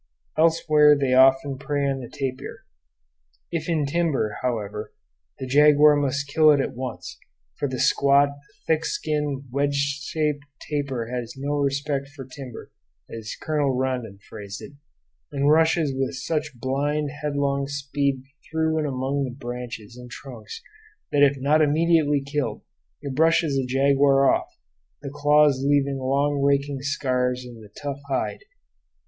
Elsewhere they often prey on the tapir. If in timber, however, the jaguar must kill it at once, for the squat, thick skinned, wedge shaped tapir has no respect for timber, as Colonel Rondon phrased it, and rushes with such blind, headlong speed through and among branches and trunks that if not immediately killed it brushes the jaguar off, the claws leaving long raking scars in the tough hide.